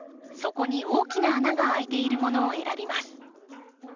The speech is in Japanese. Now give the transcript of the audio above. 底に大きな穴が開いているものを選びます。